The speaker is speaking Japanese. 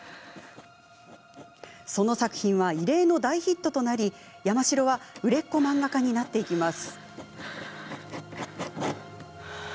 その作品は異例の大ヒットとなり山城は売れっ子漫画家になっていきます。